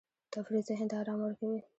تفریح ذهن ته آرام ورکوي.